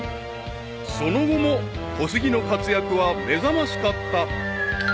［その後も小杉の活躍は目覚ましかった］